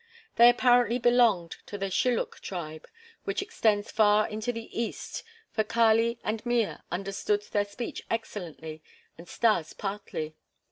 They apparently belonged to the Shilluk tribe, which extends far into the east, for Kali and Mea understood their speech excellently and Stas partly.